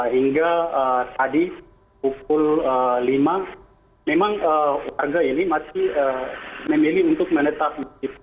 hingga tadi pukul lima memang warga ini masih memilih untuk menetap